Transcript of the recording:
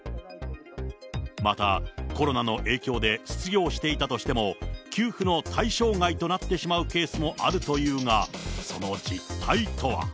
また、コロナの影響で失業していたとしても、給付の対象外となってしまうケースもあるというが、その実態とは。